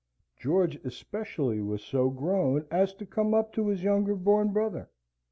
George especially was so grown as to come up to his younger born brother.